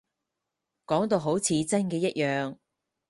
講到好似真嘅一樣